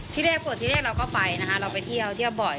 ที่แรกปวดที่แรกเราก็ไปนะคะเราไปเที่ยวเที่ยวบ่อย